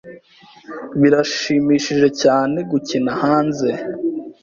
Birashimishije cyane gukina hanze.